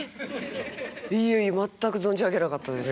いえいえ全く存じ上げなかったです。